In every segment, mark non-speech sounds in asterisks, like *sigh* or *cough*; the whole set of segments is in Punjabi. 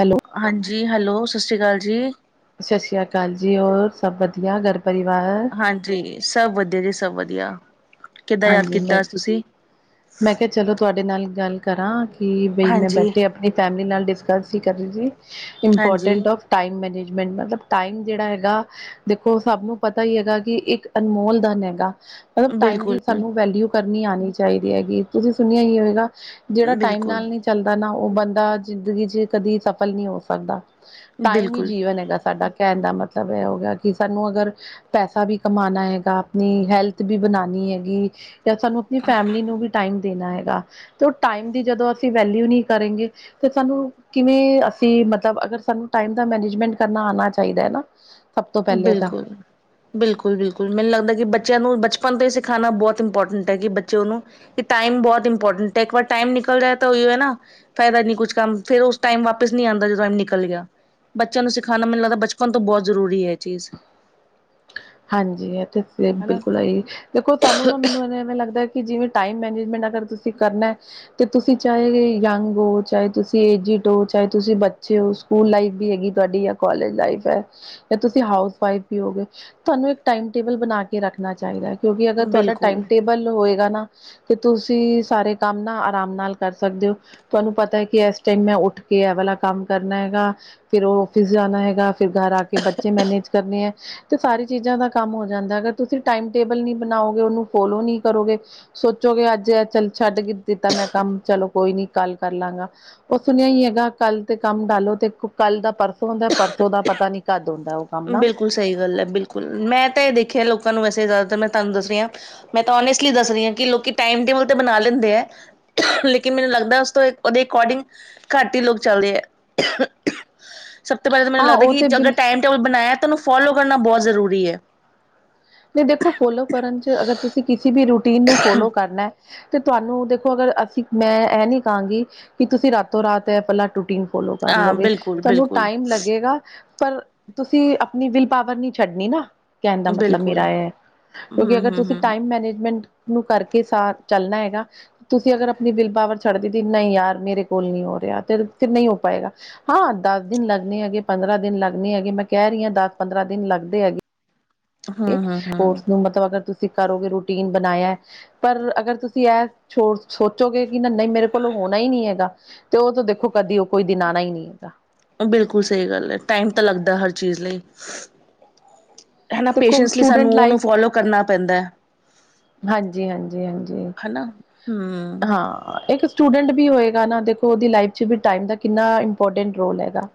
ਹੈਲੋ, ਹਾਂਜੀ।। ਹੈਲੋ, ਸਤਿ ਸ਼੍ਰੀ ਅਕਾਲ ਜੀ! ਸਤਿ ਸ੍ਰੀ ਅਕਾਲ ਜੀ! ਹੋਰ, ਸਭ ਵਧੀਆ ਘਰ? ਪਰਿਵਾਰ? ਹਾਂਜੀ। ਸਭ ਵਧੀਆ ਜੀ। ਸਭ ਵਧੀਆ। ਕਿੱਦਾਂ ਯਾਦ ਹਾਂਜੀ। ਮੈਂ, ਕੀਤਾ ਅੱਜ ਤੁਸੀਂ ਮੈਂ ਕਿਹਾ ਚਲੋ, ਤੁਹਾਡੇ ਨਾਲ ਗੱਲ ਕਰਾਂ ਕਿ ਬਈ ''ਮੈਂ ਹਾਂਜੀ ਬੈਠੇ ਆਪਣੀ ਫੈਮਿਲੀ ਨਾਲ ਡਿਸਕਸ ਹੀ ਕਰ ਰਹੀ ਥੀ, ਹਾਂਜੀ ਇੰਪੋਰਟੈਂਟ ਆਫ ਟਾਈਮ ਮੈਨੇਜ ਮਤਲਬ ਟਾਈਮ ਜਿਹੜਾ ਹੈਗਾ ਦੇਖੋ ਸਭ ਨੂੰ ਪਤਾ ਹੀ ਹੈਗਾ ਕਿ, ਇੱਕ ਅਨਮੋਲ ਦਨ ਹੈਗਾ। ਮਤਲਬ ਟਾਈਮ ਬਿਲਕੁਲ ਦੀ ਸਾਨੂੰ ਵੈਲਿਊ ਕਰਨੀ ਆਣੀ ਚਾਹੀਦੀ ਹੈਗੀ, ਤੁਸੀਂ ਸੁਣਿਆ ਹੀ ਹੋਏਗਾ ਜਿਹੜਾ ਟਾਈਮ ਬਿਲਕੁਲ ਨਾਲ ਨਹੀਂ ਚੱਲਦਾ ਨਾ ਉਹ ਬੰਦਾ ਜ਼ਿੰਦਗੀ 'ਚ ਕਦੀ ਸਫਲ ਨਹੀਂ ਹੋ ਸਕਦਾ। ਟਾਈਮ ਹੀ ਬਿਲਕੁਲ ਜੀਵਨ ਹੈਗਾ ਸਾਡਾ। ਕਹਿਣ ਦਾ ਮਤਲਬ ਇਹ ਹੋ ਗਿਆ ਕਿ, ਸਾਨੂੰ ਅਗਰ ਪੈਸਾ ਵੀ ਕਮਾਣਾ ਹੈਗਾ, ਆਪਣੀ ਹੈਲਥ ਵੀ ਬਣਾਣੀ ਹੈਗੀ ਜੀ। ਸਾਨੂੰ ਆਪਣੀ ਫੈਮਿਲੀ ਨੂੰ ਵੀ, ਟਾਈਮ ਦੇਣਾ ਹੈਗਾ ਤੋ, ਉਹ ਟਾਈਮ ਦੀ ਜਦੋਂ ਅਸੀਂ ਵੈਲਿਊ ਨਹੀਂ ਕਰੇਂਗੇ ਤੇ ਸਾਨੂੰ ਕਿਵੇਂ ਅਸੀਂ ਮਤਲਬ, ਅਗਰ ਸਾਨੂੰ ਟਾਈਮ ਦਾ ਮੈਨੇਜਮੈਂਟ ਕਰਨਾ ਆਨਾ ਚਾਹੀਦੈ ਨਾ। ਸਭ ਤੋਂ ਪਹਿਲੇ ਤਾਂ ਬਿਲਕੁਲ-ਬਿਲਕੁਲ, ਬਿਲਕੁਲ! ਮੈਨੂੰ ਲੱਗਦਾ ਕਿ, ਬੱਚਿਆਂ ਨੂੰ ਬਚ ਪਨ ਤੋਂ ਹੀ ਸਿਖਾਣਾ ਬਹੁਤ ਇੰਪੋਰਟੈਂਟ ਹੈ ਕੀ, ਬੱਚੇ ਉਹਨੂੰ ਕਿ, ਟਾਈਮ ਬਹੁਤ ਇੰਪੋਰਟੈਂਟ ਹੈ। ਇੱਕ ਵਾਰ ਟਾਈਮ ਨਿਕਲ ਜਾਏ ਤਾ ਨਾ, ਫਾਇਦਾ ਨੀ ਕੁਛ ਕੰਮ ਫਿਰ ਉਸ ਟਾਈਮ ਵਾਪਿਸ ਨੀ ਆਂਦਾ, ਜਦੋਂ ਟਾਈਮ ਨਿਕਲ ਗਿਆ। ਬੱਚਿਆਂ ਨੂੰ ਸਿਖਾਣਾ ਮੈਨੂੰ ਲੱਗਦਾ ਬਚਪਨ ਤੋਂ, ਬਹੁਤ ਜ਼ਰੂਰੀ ਹੈ ਇਹ ਚੀਜ਼। ਹਾਂਜੀ, ਇੱਹ ਤੇ *inaudible* ਹਨਾ ਬਿਲਕੁਲ ਹੈਈ, ਦੇਖੋ ਸਾਨੂੰ ਨਾ ਮੈਨੂੰ ਏਂਵੇਂ ਲੱਗਦਾ ਕਿ, ਜਿਵੇਂ ਟਾਈਮ ਮੈਨੇਜ ਮੈਨੂੰ ਲਗਦਾ ਅਗਰ ਤੁਸੀਂ ਕਰਨਾ ਤੇ, ਤੁਸੀਂ ਚਾਹੇ ਯੰਗ ਹੋ, ਚਾਹੇ ਤੁਸੀਂ ਏਜਿਡ ਹੋ, ਚਾਹੇ ਤੁਸੀਂ ਬੱਚੇ ਹੋ ਸਕੂਲ ਲਾਈਫ ਵੀ ਹੈਗੀ ਤੁਹਾਡੀ ਯਾਂ, ਕੋਾਲਜ ਲਾਈਫ ਹੈ, ਯਾ ਤੁਸੀਂ ਹਾਊਸ ਵਾਈਫ ਵੀ ਹੋ ਵਿੱਚ ਤੁਹਾਨੂੰ ਇੱਕ ਟਾਈਮ ਟੇਬਲ ਬਨਾਕੇ ਰੱਖਣਾ ਚਾਹੀਦਾ ਹੈ, ਕਿਉਂਕਿ ਅਗਰ ਤੁਹਾਡਾ ਬਿਲਕੁਲ ਟਾਈਮ ਟੇਬਲ ਹੋਏ ਨਾ ਕਿ, ਤੁਸੀਂ ਸਾਰੇ ਕੰਮ ਨਾ ਆਰਾਮ ਨਾਲ ਕਰ ਸਕਦੇ ਹੋ, ਤੁਹਾਨੂੰ ਪਤਾ ਹੈ ਕਿ, ਇਸ ਟਾਈਮ ਮੈਂ ਉੱਠ ਕੇ, ਐ ਵਾਲਾ ਕੰਮ ਕਰਨਾ ਹੈਗਾ, ਫਿਰ ਔਫਿਸ ਜਾਣਾ ਹੈਗਾ ਫਿਰ ਘਾਰ ਆਕੇ, ਬੱਚੇ ਮੈਨੇਜ ਕਰਨੇ ਹੈ, ਤੇ ਸਾਰੀ ਚੀਜ਼ਾਂ ਦਾ ਕੰਮ ਹੋ ਜਾਂਦਾ ਹੇਗਾ, ਅਗਰ ਤੁਸੀਂ ਟਾਈਮ ਟੇਬਲ ਨੀ ਬਣਾਓਗੇ, ਉਹਨੂੰ ਫੋਲੋ ਨਹੀਂ ਕਰੋਗੇ ਸੋਚੋਗੇ ਅੱਜ ਚੱਲ ਛੱਡ ਹਿ ਦਿੱਤਾ ''ਮੈਂ ਕੰਮ ਚਲੋ ਕੋਈ ਨੀ, ਕੱਲ ਕਰ ਲਾਂਗਾ, ਉਹ ਸੁਣਿਆ ਹੀ ਹੈਗਾ ਕੱਲ ਤੇ ਸੰਡਾਲੋ ਤੇ ਕੱਲ ਦਾ ਪਰਸੋਂ ਦਾ, ਪਰਸੋਂ ਦਾ ਪਤਾ ਨੀ ਕਦ ਹੁੰਦਾ ਉਹ ਕੰਮ ਨਾ ਬਿਲਕੁਲ ਸਹੀ ਗਲ ਹੈ। ਬਿਲਕੁਲ! ''ਮੈਂ ਤਾਂ ਇਹ ਦੇਖਿਆ ਲੋਕਾਂ ਨੂੰ ਵੈਸੇ, ਜ਼ਿਆਦਾਤਰ''ਮੈਂ ਤੁਹਾਨੂੰ ਦਸ ਰਹੀ ਆ। ਮੈਂ ਤਾਂਨੂ ਔਨੇਸਟਲੀ ਦੱਸ ਰਹੀ ਹਾਂ, ਕੀ ਲੋਕੀ ਟਾਈਮ ਤੇ ਨੀ, ਹੁਣ ਤੇ ਬਣਾ ਲੈਂਦੇ ਐ। ਲੇਕਿਨ ਮੈਨੂੰ ਲੱਗਦਾ ਉਸ ਤੋਂ, ਉਹਦੇ ਅਕੋਰਡਿੰਗ ਘੱਟ ਹੀ ਲੋਕ ਚੱਲਦੇ ਐਂ। *inaudible* ਸਭ ਤੋਂ ਪਹਿਲੇ ਤੇ, ਮੈਨੂੰ ਹਾਂ ਲੱਗਦਾ ਉਹ ਕੀ ਤੇ ਬਿਲ ਜਦੋ ਟਾਈਮ ਐ ਤੁਹਾਨੂੰ ਫੌਲੋ ਕਰਨਾ ਬਹੁਤ ਜ਼ਰੂਰੀ ਹੈ। ਨਹੀਂ ਦੇਖੋ ਟੀਨ ਨੂੰ ਫੋਲੋ ਕਰਨਾ। ਤੇ, ਤੁਹਾਨੂੰ ਦੇਖੋ ਅਗਰ ਅਸੀਂ ਮੈਂ ਇਹ ਨੀ ਕਹਾਂਗੀ ਕਿ, ਤੁਸੀਂ ਰਾਤੋ-ਰਾਤ ਪੱਲਾ ਟੁੱਟੀ ਫੋਲੋ ਕਰ ਹਾਂ ਲੋਗੇ ਬਿਲਕੁਲ ਤੁਹਾਨੂੰ ਬਿਲਕੁਲ ਟਾਈਮ ਲੱਗੇਗਾ ਪਰ, ਤੁਸੀਂ ਆਪਣੀ ਵਿਲ ਪਾਵਰ ਨਹੀਂ ਛੱਡਣੀ ਨਾ, ਕਹਿਣ ਦਾ ਮ ਬਿਲਕੁਲ ਮੇਰਾ ਏ, ਕਿਉਂਕਿ ਅਗਰ ਹਮ ਹਮ ਤੁਸੀਂ ਹਮ ਟਾਇਮ ਮੈਨੇਜ ਨੂੰ ਕਰਕੇ ਸ ਚੱਲਣਾ ਹੈਗਾ। ਤੁਸੀਂ ਅਗਰ ਆਪਣੀ ਵਿਲ ਪਾਵਰ ਛੱਡਦੀ ਤ ਨਹੀਂ ਯਾਰ ਮੇਰੇ ਕੋਲ ਨਹੀਂ ਹੋ ਰਿਹਾ ਤੇ ਫਿਰ ਨਹੀਂ ਹੋ ਪਾਏਗਾ, ਹਾਂ, ਦੱਸ ਦਿਨ ਲੱਗਣੇ ਹੈਗੇ, ਪੰਦਰਾਂ ਦਿਨ ਲੱਗਣੇ ਹੈਗੇ, ਮੈਂ ਕਹਿ ਰਹੀ ਦਾਸ ਪੰਦਰਾਂ ਦਿਨ ਲੱਗਦੇ ਹੈਗੇ ਹਮ ਹਮ ਹੋਰ ਉਸ ਨੂੰ ਹਮ ਮਤਲਬ ਅਗਰ ਤੁਸੀਂ ਤੁਸੀ ਕਰੋਗੇ ਰੂਟੀਨ ਬਣਾਇਆ ਪਰ ਅਗਰ ਤੁਸੀਂ ਇਹ ਚੋਂ ਸੋਚੋਗੇ ਕਿ ਨਾ ਨਹੀਂ ਮੇਰੇ ਕੋਲੋਂ ਹੋਣਾ ਹੀ ਨੀ ਹੈਗਾ ਤੇ ਉਹ ਤੇ ਦੇਖੋ ਕਦੀ ਉਹ ਕੋਈ ਦਿਨ ਆਣਾ ਹੀ ਨੀ ਹੈਗਾ ਬਿਲਕੁਲ ਸਹੀ ਗੱਲ ਹੈ ਟਾਈਮ ਤਾਂ ਲੱਗਦਾ ਹਰ ਚੀਜ਼ ਲਈ ਹਨਾ ਦੇਖੋ ਪੇਸ਼ੈਂਸਲੀ ਸਟੂਡੈਂਟ ਸਾਨੂੰ ਉਹਨੂੰ ਲਾਈਫ ਫੋਲੋ ਕਰਨਾ ਪੈਂਦਾ ਹੈ ਹਾਂਜੀ ਹਾਂਜੀ ਹਾਂਜੀ ਹਨਾ ਹਮ ਹਾਂ ਇੱਕ ਸਟੂਡੈਂਟ ਵੀ ਹੋਏ ਨਾ ਨਾ ਦੇਖੋ ਉਹਦੀ ਲਾਈਫ ਚ ਵੀ ਟਾਈਮ ਦਾ ਕਿੰਨਾ ਇੰਪੋਰਟੈਂਟ ਰੋਲ ਹੈਗਾ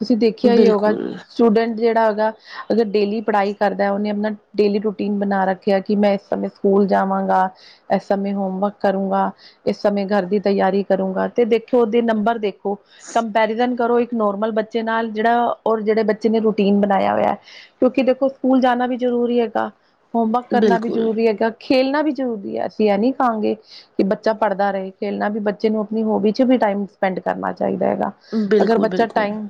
ਤੁਸੀਂ ਦੇਖਿਆ ਹੀ ਹੋਗਾ ਬਿਲਕੁਲ ਸਟੂਡੈਂਟ ਜਿਹੜਾ ਹੈਗਾ ਅਗਰ ਡੇਲੀ ਪੜ੍ਹਾਈ ਕਰਦਾ ਉਹਨੇ ਆਪਣਾ ਡੇਲੀ ਰੂਟੀਨ ਬਣਾ ਰੱਖਿਆ ਕਿ ਮੈਂ ਇਸ ਸਮੇਂ ਸਕੂਲ ਜਾਵਾਂਗਾ ਇਸ ਸਮੇਂ ਹੋਮਵਰਕ ਕਰੂੰਗਾ ਇਸ ਸਮੇਂ ਘਰ ਦੀ ਤਿਆਰੀ ਕਰੂੰਗਾ ਤੇ ਵੇਖ ਦੇਖੋ ਉਹਦੇ ਨੰਬਰ ਦੇਖੋ ਕੰਪੈਰੀਜ਼ਨ ਕਰੋ ਇੱਕ ਨੋਰਮਲ ਬੱਚੇ ਨਾਲ ਜਿਹੜਾ ਔਰ ਜਿਹੜੇ ਬੱਚੇ ਨੇ ਰੂਟੀਨ ਬਣਾਇਆ ਹੋਇਆ ਕਿਉਂਕਿ ਦੇਖੋ ਸਕੂਲ ਜਾਣਾ ਵੀ ਜ ਜ਼ਰੂਰੀ ਹੈਗਾ ਹੋਮਵਰਕ ਕਰਨਾ ਵੀ ਬਿਲਕੁਲ, ਜ਼ਰੂਰੀ ਹੈਗਾ ਖੇਲਣਾ ਵੀ ਜ਼ਰੂਰੀ ਹੈ ਅਸੀਂ ਇਹ ਨੀ ਖਾਂਗੇ ਕਿ ਬੱਚਾ ਪੜ੍ਹਦਾ ਰਹੇ ਖੇਲਣਾ ਵੀ ਬੱਚੇ ਨੂੰ ਆਪਣੀ ਹੋਬੀ ਚ ਵੀ ਟਾਈਮ ਸਪੈਂਡ ਕਰਨਾ ਚਾਹੀਦਾ ਹੈਗਾ ਅਗਰ ਬਿਲਕੁਲ, ਬੱਚਾ ਬਿਲਕੁਲ। ਟਾਈਮ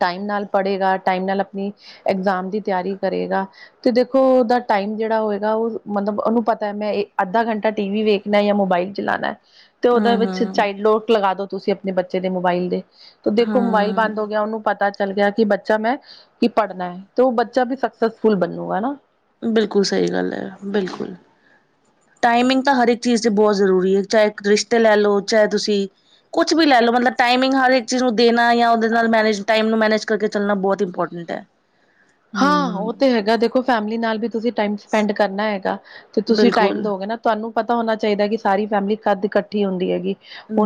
ਟਾਈਮ ਨਾਲ ਪੜ੍ਹੇਗਾ, ਟਾਈਮ ਨਾਲ ਆਪਣੀ ਐਗਜ਼ਾਮ ਦੀ ਤਿਆਰੀ ਕਰੇਗਾ, ਤੇ ਦੇਖੋ ਉਹਦਾ ਟਾਈਮ ਜਿਹੜਾ ਹੋਏਗਾ ਉਹ ਮਤਲਬ ਉਹਨੂੰ ਪਤਾ ਹੈ, ਮੈਂ ਇਹ ਅੱਧਾ ਘੰਟਾ ਟੀਵੀ ਵੇਖਣਾ ਯਾ ਮੋਬਾਈਲ ਚਲਾਣੈ। ਤੇ, ਉਹਦੇ ਵਿੱਚ ਹੂੰ-ਹੂੰ, ਹੂੰ। ਚਾਈਲਡ ਲੋੋਕ ਲਗਾ ਦੋ, ਤੁਸੀਂ ਆਪਣੇ ਬੱਚੇ ਦੇ ਮੋਬਾਈਲ ਦੇ ਦੇਖੋ ਮੋਬਾਈਲ ਬੰਦ ਹੋ ਹੂੰ, ਗਿਆ ਉਹਨੂੰ ਪਤਾ ਚੱਲ ਗਿਆ ਕਿ ਬੱਚਾ ਮੈਂ ਕਿ ਪੜ੍ਹਦੈ ਤੇ ਉਹ ਬੱਚਾ ਵੀ ਸਕਸੈਸਫੁਲ ਬਣੂਗਾ ਹਨਾ ਬਿਲਕੁਲ ਸਹੀ ਗੱਲ ਹੈ ਬਿਲਕੁਲ ਟਾਈਮਿੰਗ ਤਾਂ ਹਰ ਇੱਕ ਚੀਜ਼ ਤੇ ਬਹੁਤ ਜ਼ਰੂਰੀ ਹੈ ਚਾਹੇ ਰਿਸ਼ਤੇ ਲੈ ਲਓ ਚਾਹੇ ਤੁਸੀਂ ਕੁਛ ਵੀ ਲੈ ਲੋ ਮਤਲਬ ਟਾਈਮਿੰਗ ਹਰ ਚੀਜ਼ ਨੂੰ ਦੇਣਾ ਆ ਓਦੇ ਨਾਲ ਮੈਨੇਜ ਟਾਈਮ ਨੂੰ ਮੈਨੇਜ ਕਰਕੇ ਚੱਲਣਾ ਬਹੁਤ ਇੰਪੋਰਟੈਂਟ ਹੈ ਹਾਂ ਉਹ ਤੇ ਹੈਗਾ ਦੇਖੋ ਫੈਮਿਲੀ ਨਾਲ ਵੀ ਤੁਸੀਂ ਟਾਈਮ ਸਪੈਂਡ ਕਰਨਾ ਹੈਗਾ ਤੇ ਤੁਸੀਂ ਟਾਈਮ ਬਿਲਕੁਲ, ਦੋਗੇ ਨਾ ਤੁਹਾਨੂੰ ਪਤਾ ਹੋਣਾ ਚਾਹੀਦਾ ਕਿ ਸਾਰੀ ਫੈਮਿਲੀ ਕਦ ਇਕੱਠੀ ਹੁੰਦੀ ਹੈਗੀ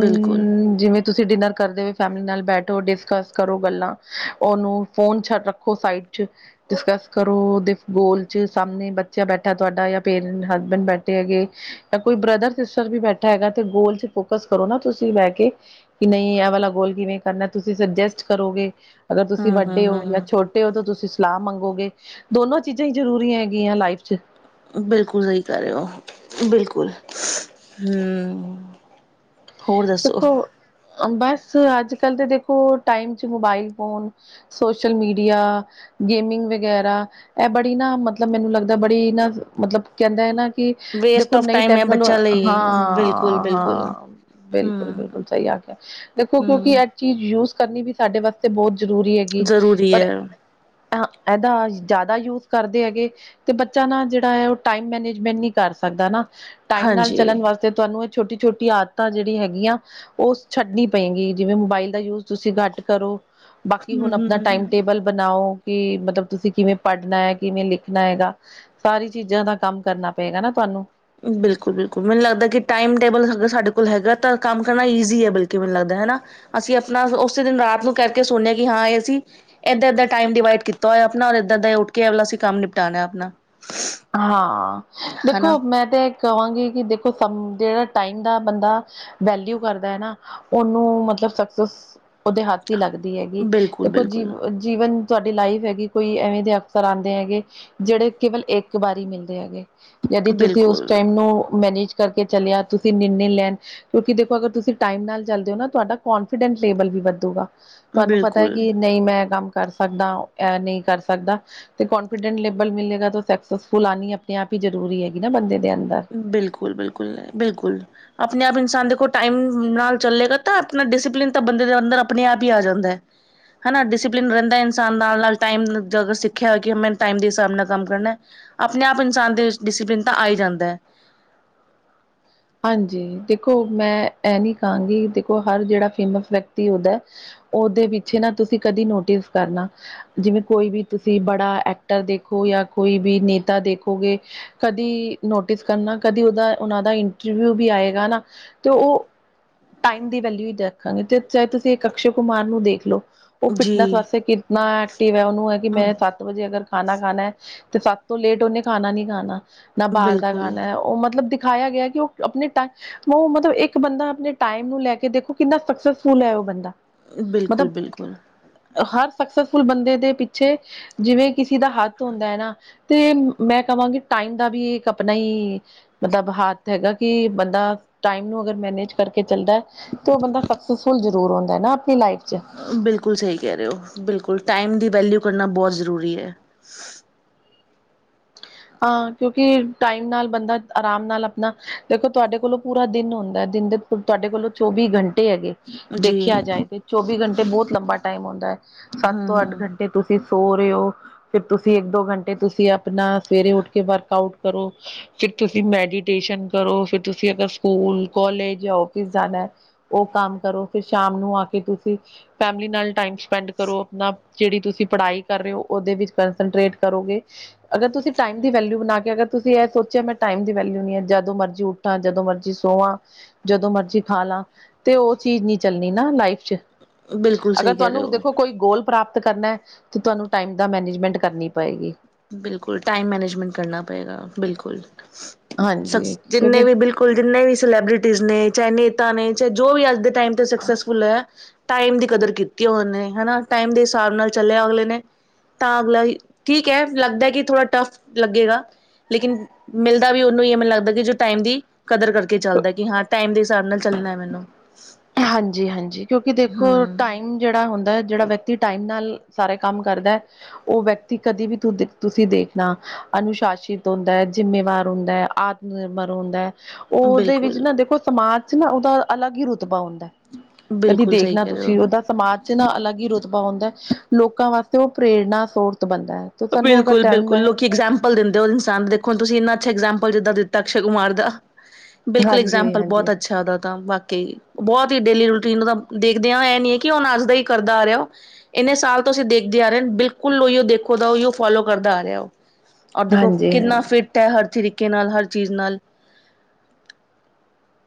ਬਿਲਕੁਲ। ਜਿਵੇਂ ਤੁਸੀਂ ਡਿਨਰ ਕਰਦੇ ਹੋਏ ਫੈਮਿਲੀ ਨਾਲ ਬੈਠੋ ਡਿਸਕਸ ਕਰੋ ਗੱਲਾਂ ਉਹਨੂੰ ਫੋਨ ਛੱਡ ਰੱਖੋ ਸਾਈ ਡਿਸਕਸ ਕਰੋ ਓਦੇ ਗੋਲ ਚ ਸਾਹਮਣੇ ਬੱਚਾ ਬੈਠਾ ਤੁਹਾਡਾ ਯਾ ਪੇਰੈਂਟ ਹਸਬੈਂਡ ਬੈਠੇ ਹੈਗੇ ਜਾਂ ਕੋਈ ਬ੍ਰਦਰ ਸਿਸਟਰ ਵੀ ਬੈਠਾ ਹੈਗਾ ਤੇ ਗੋਲ ਚ ਫੋਕਸ ਕਰੋ ਨਾ ਤੁਸੀਂ ਬਹਿ ਕੇ ਨਹੀਂ ਇਹ ਵਾਲਾ ਗੋਲ ਕਿਵੇਂ ਕਰਨਾ ਤੁਸੀਂ ਸੁਜੈਸਟ ਕਰੋਗੇ ਅਗਰ ਤੁਸੀਂ ਵੱਡੇ ਹੋ ਯਾ ਹੂੰ-ਹੂੰ-ਹੂੰ। ਛੋਟੇ ਹੋ ਤਾਂ ਤੁਸੀਂ ਸਲਾਹ ਮੰਗੋਗੇ ਦੋਨੋ ਚੀਜ਼ਾਂ ਹੀ ਜ਼ਰੂਰੀ ਹੈਗੀਆਂ ਲਾਈਫ ਚ ਬਿਲਕੁਲ ਸਹੀ ਕਰ ਰਹੇ ਹੋ ਬਿਲਕੁਲ ਹਮ ਹੋਰ ਦੱਸੋ ਦੇਖੋ ਬਸ ਅੱਜ-ਕੱਲ੍ਹ ਤੇ ਦੇਖੋ ਟਾਈਮ ਚ mobile phone social media gaming ਵਗੈਰਾ ਇਹ ਬੜੀ ਨਾ ਮਤਲਬ ਮੈਨੂੰ ਲੱਗਦਾ ਬੜੀ ਨਾ ਮਤਲਬ ਕਹਿੰਦੇ ਹ ਨਾ ਕਿ ਵੇਸਟ ਦੇਖੋ ਆਫ ਨਈ ਟਾਈਮ ਐ ਟੈਕਨੋਲੋ ਬੱਚਿਆਂ ਹਾਂ ਲਈ ਹਾਂ ਬਿਲਕੁਲ-ਬਿਲਕੁਲ। ਹੂੰ। ਬਿਲਕੁਲ-ਬਿਲਕੁਲ ਸਹੀ ਆਖਿਆ ਦੇਖੋ ਕਿਉਂਕਿ ਹਮ ਇਹ ਚੀਜ਼ ਯੂਜ ਕਰਨੀ ਵੀ ਸਾਡੇ ਵਾਸਤੇ ਬਹੁਤ ਜ਼ਰੂਰੀ ਹੈਗੀ ਜ਼ਰੂਰੀ ਪਰ ਹੈ ਇਹਦਾ ਜ਼ਿਆਦਾ ਯੂਜ ਕਰਦੇ ਹੈਗੇ ਤੇ ਬੱਚਾ ਨਾ ਜਿਹੜਾ ਹੈ ਉਹ ਟਾਈਮ ਮੈਨੇਜਮੈਂਟ ਨੀ ਕਰ ਸਕਦਾ ਨਾ ਟਾਈਮ ਨਾਲ ਹਾਂਜੀ ਚੱਲਣ ਵਾਸਤੇ ਤੁਹਾਨੂੰ ਇਹ ਛੋਟੀ-ਛੋਟੀ ਆ ਜਿਹੜੀ ਹੈਗੀਆਂ ਉਹ ਛੱਡਣੀ ਪਏਗੀ ਜਿਵੇਂ ਮੋਬਾਈਲ ਦਾ ਯੂਜ ਤੁਸੀਂ ਘੱਟ ਕਰੋ ਬਾਕੀ ਹਮ ਹੁਣ ਆਪਣਾ ਹਮ ਟਾਈਮ ਟੇਬਲ ਬਣਾਓ ਕਿ ਮਤਲਬ ਤੁਸੀਂ ਕਿਵੇਂ ਪੜ੍ਹਨਾ ਹੈ ਕਿਵੇਂ ਲਿਖਣਾ ਹੈਗਾ ਸਾਰੀ ਚੀਜ਼ਾਂ ਦਾ ਕੰਮ ਕਰਨਾ ਪਏਗਾ ਨਾ ਤੁਹਾਨੂੰ ਬਿਲਕੁਲ ਬਿਲਕੁਲ ਮੈਨੂੰ ਲੱਗਦਾ ਕਿ ਟਾਈਮ ਟੇਬਲ ਅਗਰ ਸਾਡੇ ਕੋਲ ਹੈਗਾ ਤਾਂ ਕੰਮ ਕਰਨਾ ਈਜੀ ਹੈ ਬਲਕਿ ਮੈਨੂੰ ਲੱਗਦਾ ਹਨਾ ਅਸੀਂ ਆਪਣਾ ਉਸੇ ਦਿਨ ਰਾਤ ਨੂੰ ਕਰਕੇ ਸੋਣੇ ਆ ਕਿ ਹਾਂ ਇਹ ਅਸੀਂ ਏਦਾਂ ਏਦਾਂ ਟਾਈਮ ਡਿਵਾਈਡ ਕੀਤਾ ਆਪਣਾ ਔਰ ਇਦਾ ਇਦਾ ਉੱਠ ਕੇ ਐ ਵਾਲਾ ਅਸੀਂ ਕੰਮ ਨਿਪਟਾਨਾ ਆਪਣਾ ਹਾਂ ਹਨਾ ਦੇਖੋ ਮੈਂ ਤੇ ਕਹਾਂਗੀ ਕਿ ਦੇਖੋ ਸਮ ਜਿਹੜਾ ਟਾਈਮ ਦਾ ਬੰਦਾ ਵੈਲਿਊ ਕਰਦਾ ਹੈ ਨਾ ਉਹਨੂੰ ਮਤਲ ਸੁਕਸੈਸ ਉਹਦੇ ਹੱਥ ਹੀ ਲੱਗਦੀ ਹੈਗੀ ਬਿਲਕੁਲ ਦੇਖੋ ਬਿਲਕੁਲ ਜੀਵ ਜੀਵਨ ਤੁਹਾਡੀ ਲਾਈਫ ਹੈਗੀ ਕੋਈ ਐਵੇਂ ਦੇ ਅਫਸਰ ਆਂਦੇ ਹੈਗੇ, ਜਿਹੜੇ ਕੇਵਲ ਇੱਕ ਵਾਰੀ ਮਿਲਦੇ ਹੈਗੇ। ਜਦ ਤੁਸੀਂ ਉਸ ਬਿਲਕੁਲ ਟਾਈਮ ਨੂੰ ਮੈਨੇਜ ਕਰਕੇ ਚਲਿਆ ਤੁਸੀਂ *unintelligible* ਲੈਣ ਕਿਉਂਕਿ ਦੇਖੋ ਅਗਰ ਤੁਸੀਂ ਟਾਈਮ ਨਾਲ ਚੱਲਦੇ ਹੋ ਨਾ ਤੁਹਾਡਾ ਕੋਂਫੀਡੈਂ ਲੇਬਲ ਵੀ ਵੱਧੂਗਾ। ਤੁਹਾਨੂੰ ਪਤਾ ਏ ਬਿਲਕੁਲ ਕਿ ਨਹੀਂ ਮੈਂ ਕੰਮ ਕਰ ਸਕਦਾ ਏ ਨਹੀਂ ਕਰ ਸਕਦਾ ਤੇ ਕੋਂਨਫੀਡੈਂਟ ਲੈਬਲ ਮਿਲੇਗਾ ਤੇ ਸਕਸੈਸਫੁੱਲ ਆਂਣੀ ਆਪਣੇ ਆਪ ਹੀ ਜ਼ਰੂਰੀ ਹੈਗੀ ਨਾ ਬੰਦੇ ਨ ਬਿਲਕੁਲ, ਬਿਲਕੁਲ, ਬਿਲਕੁਲ ਆਪ *unintelligible* ਇਨਸਾਨ ਦੇਖੋ ਟਾਈਮ ਨਾਲ ਚੱਲੇਗਾ ਤਾਂ ਆਪਣਾ ਡਿਸਪਲਿਨ ਤਾਂ ਬੰਦੇ ਦੇ ਅੰਦਰ ਆਪਣੇ ਆਪ ਈ ਆ ਜਾਂਦਾ। ਹਨਾ, ਡਿਸਿਪਲਿਨ ਰਹਿੰਦਾ ਇਨਸਾਨ ਦਾ ਨਾਲ ਨਾਲ ਟਾਈਮ ਨਜ ਸਿੱਖਿਆ ਕਿ ਮੈ ਟਾਈਮ ਦੇ ਹਿਸਾਬ ਨਾਲ ਕੰਮ ਕਰਨਾ ਆਪਣੇ ਆਪ ਇਨਸਾਨ ਦੇ ਵਿੱਚ ਡਿਸਿਪਲਿਨ ਤਾਂ ਆਈ ਜਾਂਦਾ। ਹਾਂਜੀ ਦੇਖੋ ਮੈਂ ਏ ਨੀ ਕਹਾਂਗੀ ਦੇਖੋ ਹਰ ਜਿਹੜਾ ਫੇਮਸ ਵਿਅਕਤੀ ਉਦਾ ਔਦੇ ਪਿੱਛੇ ਨਾ ਕੋਈ ਆ ਕੋਈ ਵੀ ਨੇਤਾ *unintelligible* ਅਭੀ ਆਏਗਾ ਨਾ ਤੋ ਉਹ ਟਾਈਮ ਦੀ ਵੈਲਿਊ ਹੀ ਦੇਖਾਂਗੇ ਤੇ ਚਾਹੇ ਤੁਸੀਂ ਇੱਕ ਅਕਸ਼ੇ ਕੁਮਾਰ ਨੂੰ ਦੇਖ ਲੋ। ਔ ਫਿਟਨੈਸ ਜੀ ਵਾਸਤੇ ਕਿਤਨਾ ਐਕਟਿਵ ਏ। ਔਨੂੰ ਏ ਕਿ ਮੈਂ ਸੱਤ ਵਜੇ ਅਗਰ ਖਾਣਾ ਖਾਣਾ ਹੈ ਤੇ ਸੱਤ ਤੋਂ ਲੇਟ ਉਹਨੇ ਖਾਣਾ ਨੀ ਖਾਣਾ ਨਾ ਬਾਹਰ ਦਾ ਬਿਲਕੁਲ ਖਾਣਾ ਹੈ ਉਹ ਮਤਲਬ ਦਿਖਾਇਆ ਗਿਆ ਕਿ ਉਹ ਆਪਣੇ ਟ ਓ ਮਤਲਬ ਇੱਕ ਬੰਦਾ ਆਪਣੇ ਟਾਈਮ ਨੂੰ ਲੈ ਕੇ ਦੇਖੋ ਕਿੰਨਾ ਸਕਸੈਸਫੁਲ ਹੈ ਉਹ ਬੰਦਾ ਮਤਲਬ ਬਿਲਕੁਲ ਬਿਲਕੁਲ। ਹਰ ਸਕਸੈਸਫੁਲ ਬੰਦੇ ਦੇ ਪਿੱਛੇ ਜਿਵੇਂ ਕਿਸੇ ਦਾ ਹੱਥ ਹੁੰਦਾ ਏ ਨਾ ਤੇ ਮੈਂ ਕਵਾਂਗੀ ਟਾਈਮ ਦਾ ਵੀ ਇੱਕ ਆਪਣਾ ਈ ਮਤਲਬ ਹੱਥ ਹੈਗਾ। ਕਿ ਬੰਦਾ ਟਾਈਮ ਨੂੰ ਅਗਰ ਮੈਨੇਜ ਕਰਕੇ ਚੱਲਦਾ ਤਾਂ ਔ ਬੰਦਾ ਸਕਸੈਸਫੁੱਲ ਜ਼ਰੂਰ ਹੁੰਦਾ ਏ ਨਾ ਆਪਣੀ ਲਾਈਫ ਚ ਬਿਲਕੁਲ ਸਹੀ ਕਹਿ ਰਹੇ ਹੋ। ਬਿਲਕੁ ਟਾਈਮ ਦੀ ਵੈਲਿਊ ਕਰਨਾ ਬਹੁਤ ਜ਼ਰੂਰੀ ਏ। ਹਾਂ ਕਿਉਂਕਿ ਟਾਈਮ ਨਾਲ ਬੰਦਾ ਆਰਾਮ ਨਾਲ ਆਪਣਾ ਦੇਖੋ ਤੁਹਾਡੇ ਕੋਲੋਂ ਪੂਰਾ ਦਿਨ ਹੁੰਦਾ। ਦਿਨ ਦੇ ਤੁਹਾਡੇ ਕੋਲੋਂ ਚੌਵੀ ਘੰਟੇ ਹੈਗੇ। ਜੀ ਦੇਖਿਆ ਜਾਏ ਤੇ ਚੌਵੀ ਘੰਟੇ ਬਹੁਤ ਲੰਬਾ ਟਾਈਮ ਹੁੰਦਾ ਸੱਤ ਹਮ ਤੋਂ ਅੱਠ ਹਮ ਘੰਟੇ ਤੁਸੀਂ ਸੋ ਰਹੇ ਔ। ਸਵੇਰੇ ਉੱਠ ਕੇ ਵਰਕ ਆਊਟ ਕਰੋ। ਚਲੇ ਜਾਓ ਪੀਜ਼ਾ ਲੈਣ। *unintelligible* ਟਾਈਮ ਦੀ ਵੈਲਿਊ ਬਣਾ ਕੇ ਅਗਰ ਜਦੋਂ ਮਰਜ਼ੀ ਖਾ ਲਾ ਤੇ ਔ ਚੀਜ਼ ਨਹੀ ਚੱਲਣੀ ਨਾ ਲਾਈਫ ਚ। ਬਿਲਕੁਲ ਅਗਰ ਸਹੀ ਕਹਿ ਰਹੇ ਤੁਹਾਨੂੰ ਹੋ ਦੇਖੋ ਕੋਈ ਗੋਲ ਪ੍ਰਾਪਤ ਤਾ ਕਰਨਾ ਤੇ ਤੁਹਾਨੂੰ ਟਾਈਮ ਦਾ ਮੈਨੇਜਮੈਂਟ ਕਰਨੀ ਪਏਗੀ। ਬਿਲਕੁਲ ਟਾਈਮ ਮੈਨੇਜਮੈਂਟ ਕਰਨਾ ਹਾਂਜੀ ਸਕਸ ਜਿੰਨੇ ਕਿਉਂਕਿ ਵੀ ਬਿਲਕੁਲ ਜਿੰਨੇ ਵੀ ਸਿਲੇਬ੍ਰਿਟੀਜ਼ ਨੇ ਚਾਹੇ ਨੇਤਾ ਨੇ ਚਾਹੇ ਜੋ ਵੀ ਅੱਜ ਦੇ ਟਾਈਮ ਤੇ ਸਕਸੈਸਫੁੱਲ ਐ ਟਾਈਮ ਦੀ ਕਦਰ ਕੀਤੀ ਔਨੇ ਹਨਾ ਟਾਈਮ ਦੇ ਹਿਸਾਬ ਨਾਲ ਚੱਲਿਆ ਅਗਲੇ ਨੇ ਤਾਂ ਅਗਲਾ ਠੀਕ ਐ, ਲੱਗਦਾ ਕਿ ਥੋੜ੍ਹਾ ਟਫ ਲੱਗੇਗਾ। ਲੇਕਿਨ ਮਿਲਦਾ ਵੀ ਔਨੂੰ ਈ ਹੈ। ਮੈਨੂੰ ਲੱਗਦਾ ਕਿ ਜੋ ਟਾਈਮ ਦੀ ਕਦਰ ਕਰਕੇ ਚੱਲਦਾ ਕਿ ਹਾਂ ਟਾਈਮ ਦੇ ਹਿਸਾਬ ਨਾਲ ਚੱਲਣਾ ਐ ਮੈਨੂੰ। ਹਾਂਜੀ ਹਾਂਜੀ, ਕਿਉਂਕਿ ਦੇਖੋ ਹਮ ਟਾਈਮ ਜਿਹੜਾ ਹੁੰਦਾ ਸਾਰਾ ਕੰਮ ਕਰਦਾ ਔ ਵਿਅਕਤੀ ਕਦੇ ਵੀ ਤੁ ਤੁਸੀਂ ਦੇਖਣਾ ਅਨੁਸ਼ਾਸਿਤ ਜ਼ਿੰਮੇਵਾਰ ਹੁੰਦਾ ਆਤਮ ਨਿਰਭਰ ਰੁੰ ਔ ਔਦੇ ਵਿੱਚ ਬਿਲਕੁਲ ਨਾ ਦੇਖੋ ਸਮਾਜ ਚ ਨਾ ਔਦਾ ਅਲੱਗ ਹੀ ਰੁਤਬਾ ਹੁੰਦਾ। ਕਦੀ ਬਿਲਕੁਲ ਸਹੀ ਦੇਖਣਾ ਕਹਿ ਰਹੇ ਹੋ ਤੁਸੀਂ ਔਦਾ ਸਮਾਜ ਚ ਨਾ ਅਲੱਗ ਹੀ ਰੁ ਬਾ ਹੁੰਦਾ ਲੋਕਾਂ ਵਾਸਤੇ ਔ ਪ੍ਰੇਰਨਾ ਸੋਤ ਬਣਦਾ ਐ ਤੇ ਸਾਨੂੰ ਅਗਰ *unintelligible* ਬੋਲ ਦਿੰਦੇ ਹੋ ਇਨਸਾਨ ਦੇਖੋ ਤੁਸੀਂ ਇੰਨਾ ਅੱਛਾ ਇਗਜਾਮਪਲ ਜਿੱਦਾਂ ਦਿੱਤਾ ਅਕਸ਼ੈ ਕੁਮਾਰ ਦਾ। ਬਿਲਕੁਲ, ਐਗਜ਼ਾਮਪਲ ਬਹੁਤ ਹਾਂਜੀ-ਹਾਂਜੀ ਅੱਛਾ ਓਦਾ ਹਾਂ ਬਾਕੀ, ਬਹੁਤ ਹੀ ਡੇਲੀ ਰੂਟੀਨ ਤਾਂ ਦੇਖਦਿਆਂ। ਇਹ ਨੀ ਹੈ ਕਿ, ਉਹ ਨੀ ਕਿ ਅੱਜ ਦਾ ਕਰਦਾ ਆ ਰਿਹਾ। ਏਨੇ ਸਾਲ ਤੋਂ ਤੁਸੀੇ ਦੇਖਦੇ ਆ ਰਹੇ ਓ, ਬਿਲਕੁਲ ਓਈ ਓ ਦੇਖੋ ਉਦਾ ਓਈ ਓ ਉਹ ਫੋਲੋ ਕਰਦਾ ਆ ਰਿਹਾ। ਉਹ ਔਰ ਦੇਖੋ ਹਾਂਜੀ-ਹਾਂਜੀ ਕਿੰਨਾ ਫਿੱਟ ਹੈ। ਹਰ ਤਰੀ ਤਰੀਕੇ ਨਾਲ, ਹਰ ਚੀਜ਼ ਨਾਲ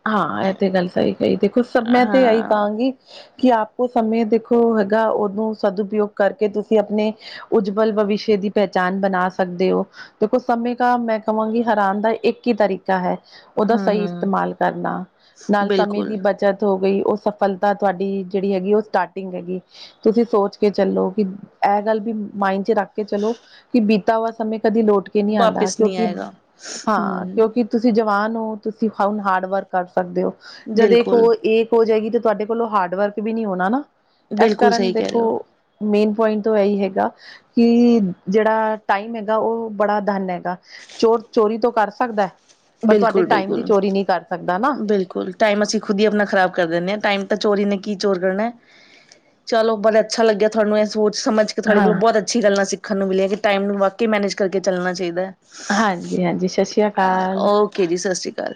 ਹਾਂ। ਇਹ ਤੇ ਗੱਲ ਸਹੀ ਕਹੀ, ਦੇਖੋ ਸਭ ਮੈਂ ਤੇ ਇਹੀ ਹਾਂ ਕਹਾਂਗੀ। ਕਿ ਆਪ ਕੋ ਸਮੇਂ ਦੇਖੋ ਹੈਗਾ। ਉਹਨੂੰ ਸਦ ਉਪਯੋਗ ਕਰਕੇ, ਤੁਸੀਂ ਆਪਣੇ ਉਜਵਲ ਭਵਿਸ਼ ਦੀ ਪਹਿਚਾਣ ਬਣਾ ਸਕਦੇ ਓ, ਦੇਖੋ ਸਮੇਂ ਕ ਮੈਂ ਕਹਾਂਗੀ, ਹੈਰਾਨ ਦਾ ਇੱਕ ਹੀ ਤਰੀਕਾ ਹੈ। ਉਹਦਾ ਹੂੰ ਸਹੀ ਹੂੰ ਇਸਤੇਮਾਲ ਕਰਨਾ, ਨਾਲ ਸਮੇਂ ਬਿਲਕੁਲ ਦੀ ਬੱਚਤ ਹੋ ਗਈ। ਉਹ ਸਫਲਤਾ ਤੁਹਾਡੀ ਜਿਹੜੀ ਹੈਗੀ ਉਹ ਸਟਾਰਟਿੰਗ ਹੈਗੀ। ਤੁਸੀਂ ਸੋਚ ਕੇ ਚੱਲੋ ਕਿ ਇਹ ਗੱਲ ਵੀ ਮਾਇਡ ਚ ਰੱਖ ਕੇ ਚਲੋ। ਕਿ ਬੀਤਾ ਹੋਆ ਸਮੇਂ ਕਦੀ ਲਟ ਕੇ ਨਹੀਂ ਆਉਂਦਾ। ਵਾਪਿਸ ਨਹੀਂ ਕਿਉਂਕਿ, ਆਏਗਾ ਹਾਂ ਹੂੰ ਕਿਉਂਕਿ, ਤੁਸੀਂ ਜਵਾਨ ਓ ਤੁਸੀਂ ਹੁਣ ਹਾਰਡ ਵਰਕ ਕਰ ਸਕਦੇ ਹੋ, ਜਦੇ ਕੋ ਬਿਲਕੁਲ ਇਕ ਹੋ ਜਾਏਗੀ। ਤੁਹਾਡੇ ਕੋਲ ਹਾਰਡ ਵਰਕ ਵੀ ਨੀ ਹੋਣਾ ਨਾ। ਇਸ ਬਿਲਕੁਲ ਕਾਰਨ ਸਹੀ ਕਹਿ ਰਹੇ ਦੇਖੋ ਹੋ ਮੇਨ ਪੁਆਇੰਟ ਤੋਂ ਇਹੀ ਹੈਗਾ। ਕਿ ਜਿਹੜਾ ਟਾਈਮ ਹੈਗਾ। ਉਹ ਬੜਾ ਧਨ ਹੈਗਾ। ਚੋਰ ਚੋਰੀ ਤੋਂ ਕਰ ਸਕਦਾ। ਪਰ ਤੁਹਾਡੇ ਬਿਲਕੁਲ ਟਾਈਮ ਦੀ ਬਿਲਕੁਲ ਚੋਰੀ ਨਹੀਂ ਕਰ ਸਕਦਾ ਨਾ। ਬਿਲਕੁਲ ਟਾਈਮ ਅਸੀਂ ਖੁਦ ਹੀ ਆਪਣਾ ਖਰਾਬ ਕਰ ਦਿੰਦੇ ਆਂ। ਟਾਈਮ *unintelligible* ਸਮਝ ਕੇ ਤੁਹਾਡੇ ਕੋਲੋਂ ਹਾਂ। ਬਹੁਤ ਅੱਛੀ ਗੱਲਾਂ ਸਿੱਖਣ ਨੂੰ ਮਿਲੀਆਂ ਕਿ ਟਾਈਮ ਨੂੰ ਵਾਕੇ ਹੀ ਮੈਨੇਜ ਕਰਕੇ ਚਲਣਾ ਚਾਹੀਦਾ। ਹਾਂਜੀ ਹਾਂਜੀ। ਸਤਿ ਸ੍ਰੀ ਅਕਾਲ ਓਕੇ ਜੀ। ਸਤਿ ਸ੍ਰੀ ਅਕਾਲ